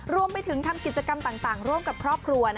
รวมไปถึงทำกิจกรรมต่างร่วมกับครอบครัว